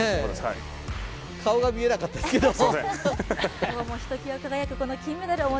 顔が見えなかったですけども。